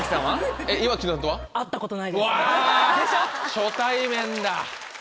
初対面だ！